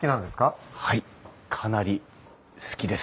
はいかなり好きです。